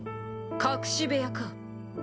隠し部屋か。